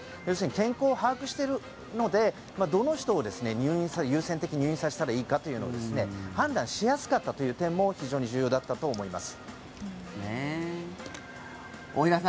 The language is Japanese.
健康を把握しているのでどの人を優先的に入院させたらいいかというのも判断しやすかったという点も非常に重要だったと思います。